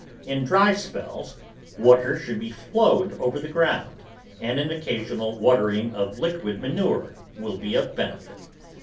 In dry spells water should be flowed over the ground, and an occasional watering of liquid manure will be of benefit.